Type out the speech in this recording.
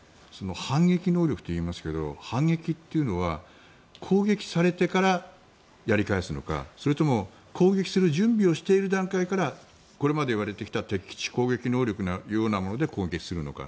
反撃能力といいますけど反撃というのは攻撃されてから、やり返すのかそれとも攻撃する準備をしている段階からこれまで言われてきた敵基地攻撃能力というようなもので攻撃するのか。